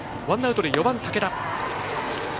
ワンアウトで４番、武田。